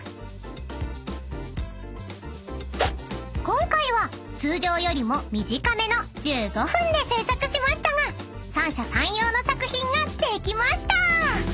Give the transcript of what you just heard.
［今回は通常よりも短めの１５分で制作しましたが三者三様の作品ができました］